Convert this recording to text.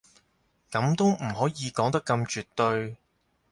噉都唔可以講得咁絕對